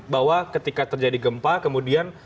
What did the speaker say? bahwa ketika terjadi gempa kemudian